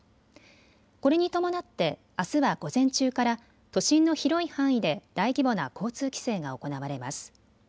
これに伴ってあすは午前中から都心の広い範囲で大規模な交通規制が行われます。